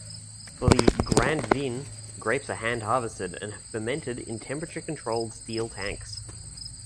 For the "grand vin", grapes are hand-harvested and fermented in temperature controlled steel tanks.